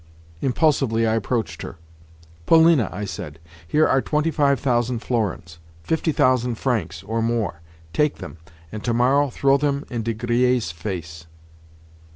Impulsively I approached her. "Polina," I said, "here are twenty five thousand florins—fifty thousand francs, or more. Take them, and tomorrow throw them in De Griers' face."